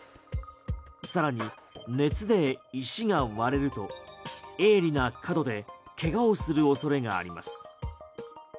更に熱で石が割れると鋭利な角で怪我をする恐れがあります。